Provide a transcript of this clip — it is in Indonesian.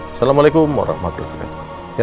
assalamualaikum warahmatullahi wabarakatuh